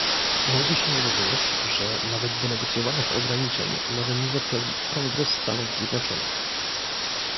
Mówi się również, że nawet wynegocjonowanych ograniczeń może nie zatwierdzić Kongres Stanów Zjednoczonych